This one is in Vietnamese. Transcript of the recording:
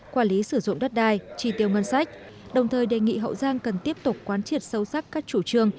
quản lý sử dụng đất đai tri tiêu ngân sách đồng thời đề nghị hậu giang cần tiếp tục quán triệt sâu sắc các chủ trương